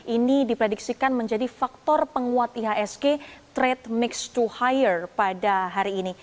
ini diprediksikan menjadi faktor penguat ihsg trade mix to hire pada hari ini